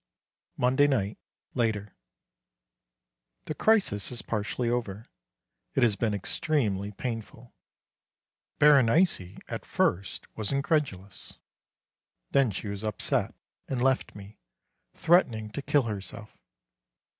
Monday night, later. The crisis is partially over. It has been extremely painful. Berenice at first was incredulous. Then she was upset, and left me, threatening to kill herself.